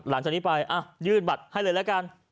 หลังจากนี้ไปยื่นบัตรให้เลยละกัน